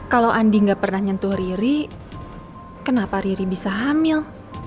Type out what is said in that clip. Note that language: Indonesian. kalau andi gak pernah nyentuh riri kenapa riri bisa hamil